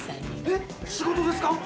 えっ仕事ですか！？